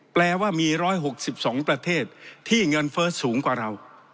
แปลว่ามี๑๖๒ประเทศที่เงินเฟิร์สสูงกว่าเรา